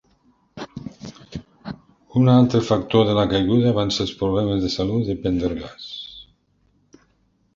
Una altre factor de la caiguda van ser els problemes de salut de Pendergast.